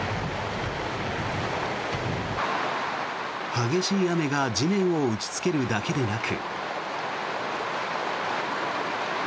激しい雨が地面を打ちつけるだけでなく。